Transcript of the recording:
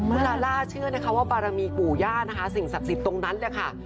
คุณลาล่าเชื่อนะคะว่าบารมีปู่ย่านะคะสิ่งศักดิ์สิทธิ์ตรงนั้นแหละค่ะ